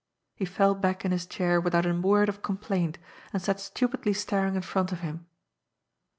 He fell back in his chair without a word of complainti and sat stupidly staring in front of him.